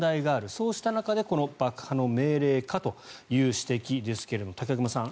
そうした中でこの爆破の命令かという指摘ですが武隈さん